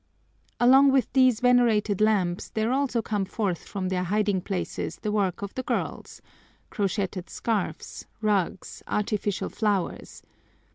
Along with these venerated lamps there also come forth from their hiding places the work of the girls: crocheted scarfs, rugs, artificial flowers.